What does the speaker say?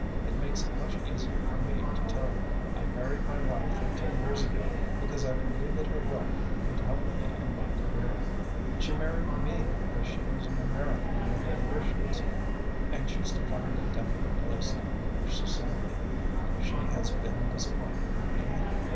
"It makes it much easier for me to tell you. I married my wife thirteen years ago because I believed that her wealth would help me in my career. She married me because she was an American with ambitions, anxious to find a definite place in English society. She has been disappointed in me.